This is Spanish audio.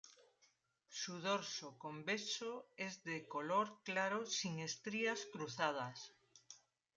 Su dorso convexo es de color claro sin estrías cruzadas.